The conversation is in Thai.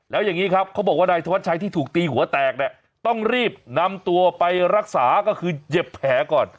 แล้วอย่างนี้ครับเขาบอกว่านายธวัชชัยที่ถูกตีหัวแตกเนี่ยต้องรีบนำตัวไปรักษาก็คือเจ็บแผลก่อน